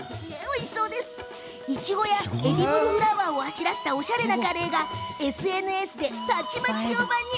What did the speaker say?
いちごやエディブルフラワーをあしらったおしゃれなカレーがＳＮＳでたちまち評判に。